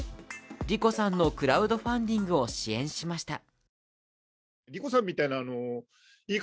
莉瑚さんのクラウドファンディングを支援しました。